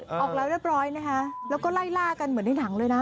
ออกแล้วเรียบร้อยนะคะแล้วก็ไล่ล่ากันเหมือนในหนังเลยนะ